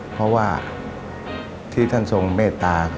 เพราะว่าที่ท่านทรงเมตตา